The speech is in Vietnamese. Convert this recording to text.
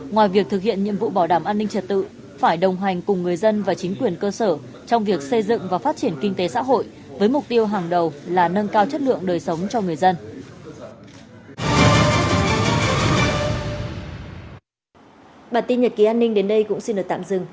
ngoài việc thực hiện nhiệm vụ bảo đảm an ninh trật tự phải đồng hành cùng người dân và chính quyền cơ sở trong việc xây dựng và phát triển kinh tế xã hội với mục tiêu hàng đầu là nâng cao chất lượng đời sống cho người dân